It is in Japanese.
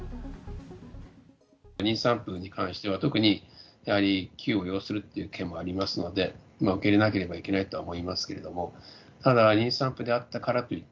妊産婦に関しては、特にやはり急を要するっていう件もありますので、受け入れなければいけないとは思いますけれども、ただ、妊産婦であったからといっ